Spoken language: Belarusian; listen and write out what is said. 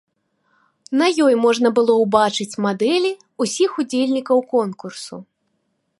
На ёй можна было ўбачыць мадэлі ўсіх удзельнікаў конкурсу.